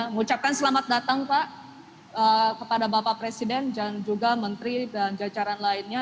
mengucapkan selamat datang pak kepada bapak presiden dan juga menteri dan jajaran lainnya